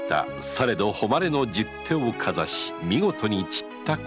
されど誉れの十手をかざし見事に散った心意気